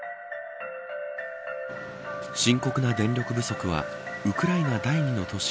深刻な電力不足はウクライナ第２の都市